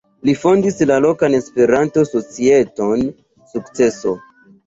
Li fondis la lokan Esperanto-societon "Sukceso".